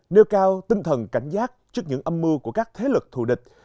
nêu cao tinh thần cảnh giác trước những âm mưu của các thế lực thù địch